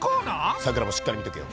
さくらもしっかり見とけよ。